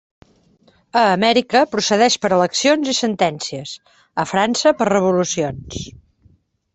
A Amèrica procedeix per eleccions i sentències; a França, per revolucions.